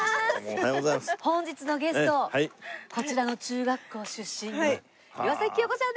本日のゲストこちらの中学校出身の岩崎恭子ちゃんでございます！